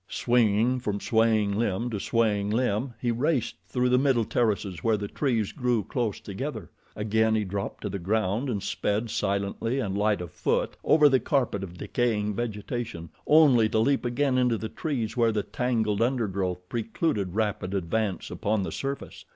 Swinging from swaying limb to swaying limb, he raced through the middle terraces where the trees grew close together. Again he dropped to the ground and sped, silently and light of foot, over the carpet of decaying vegetation, only to leap again into the trees where the tangled undergrowth precluded rapid advance upon the surface.